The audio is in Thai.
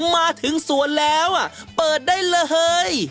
มาถึงสวนแล้วเปิดได้เลย